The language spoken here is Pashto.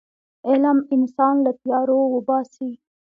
علم انسان له تیارو وباسي.